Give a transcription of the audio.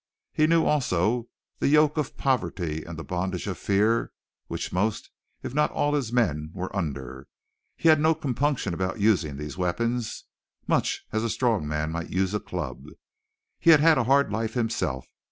He knew also the yoke of poverty and the bondage of fear which most if not all his men were under. He had no compunctions about using these weapons, much as a strong man might use a club. He had had a hard life himself.